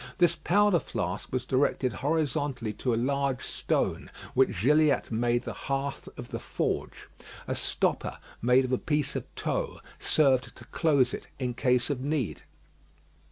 This powder flask was directed horizontally to a large stone, which Gilliatt made the hearth of the forge. A stopper made of a piece of tow served to close it in case of need.